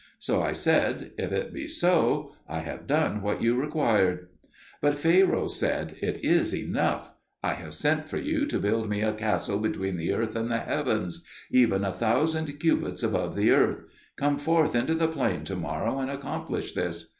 So I said, "If it be so, I have done what you required." But Pharaoh said, "It is enough: I have sent for you to build me a castle between the earth and the heavens; even a thousand cubits above the earth. Come forth into the plain to morrow and accomplish this."